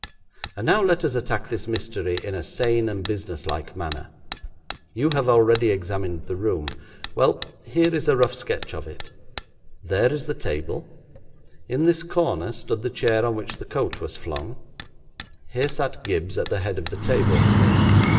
And now let us attack this mystery in a sane and businesslike manner. You have already examined the room. Well, here is a rough sketch of it. There is the table; in this corner stood the chair on which the coat was flung. Here sat Gibbes at the head of the table.